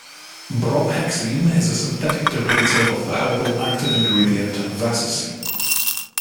Bromhexine is a synthetic derivative of the herbal active ingredient vasicine.